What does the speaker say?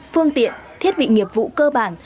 phương tiện thiết bị nghiệp vụ cơ bản